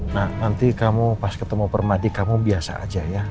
nah nanti kamu pas ketemu permadi kamu biasa aja ya